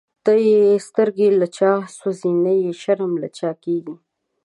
نه یی سترګی له چا سوځی، نه یی شرم له چا کیږی